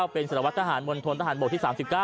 เป็นสลวทธหารมณฑลทหารบทที่๓๙